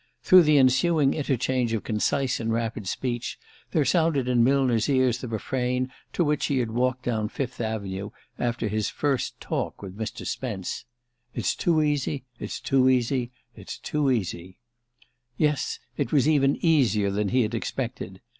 Through the ensuing interchange of concise and rapid speech there sounded in Millner's ears the refrain to which he had walked down Fifth Avenue after his first talk with Mr. Spence: "It's too easy it's too easy it's too easy." Yes, it was even easier than he had expected.